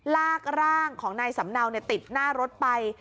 ลากร่างของนายสำเนาติดหน้ารถไป